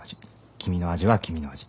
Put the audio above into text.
君の味は君の味